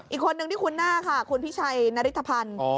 อีกคนนึงที่คุณน่าค่ะคุณพิชัยนริธพันธ์